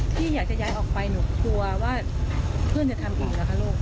ที่อยากจะย้ายออกไปหนูกลัวว่าเพื่อนจะทำอีกเหรอคะลูก